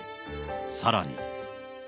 さらに。